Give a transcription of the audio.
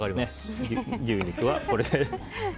牛肉はこれで。